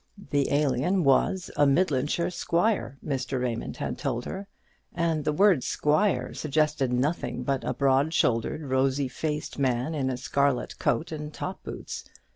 The Alien was a Midlandshire squire, Mr. Raymond had told her; and the word 'squire' suggested nothing but a broad shouldered, rosy faced man, in a scarlet coat and top boots.